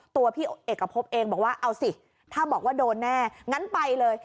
ตัวพี่เอกพบเองบอกว่าเอาสิถ้าบอกว่าโดนแน่งั้นไปเลย